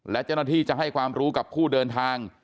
และเจ้าหน้าที่จะให้ความรู้กับผู้เดินทาง